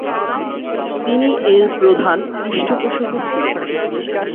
তিনি এর প্রধান পৃষ্ঠপোষকও ছিলেন।